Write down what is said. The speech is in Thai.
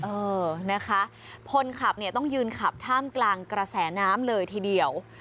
เออนะคะคนขับเนี่ยต้องยืนขับท่ามกลางกระแสน้ำเลยทีเดียว